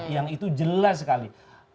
yang itu jelas sekali